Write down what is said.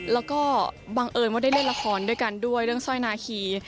แล้วก็บังเอิญว่าได้เล่นละครด้วยกันด้วยเรื่องสร้อยนาคี